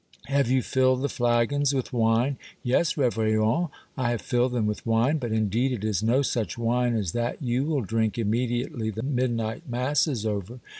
Have you filled the flagons with wine?" " Yes, rhjhend, I have filled them with wine, but indeed it is no such wine as that you will drink immediately the midnight mass is over.